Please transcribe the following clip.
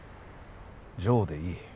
ジョーでいい。